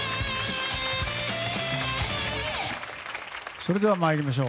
それでは、参りましょう。